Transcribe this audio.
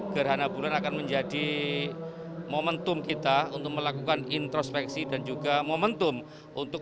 gerhana bulan akan menjadi momentum kita untuk melakukan introspeksi dan juga momentum untuk